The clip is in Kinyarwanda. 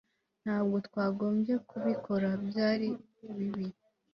Ntabwo twakagombye kubikora Byari bibi